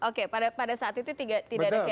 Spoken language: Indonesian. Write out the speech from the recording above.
oke pada saat itu tidak ada kehebohan ya